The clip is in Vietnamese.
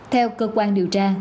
theo cơ quan điều tra